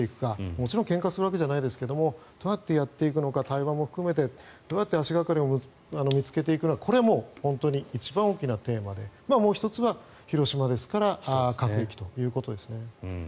もちろんけんかするわけじゃないですがどうやってやっていくのか対話も含めてどうやって足掛かりを見つけていくのかこれはもう一番大きなテーマでもう１つは、広島ですから核兵器ということですね。